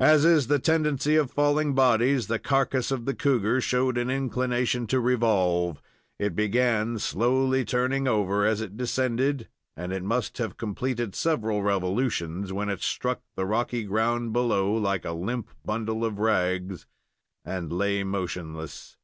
As is the tendency of falling bodies, the carcass of the cougar showed an inclination to revolve. It began slowly turning over as it descended, and it must have completed several revolutions when it struck the rocky ground below like a limp bundle of rags, and lay motionless.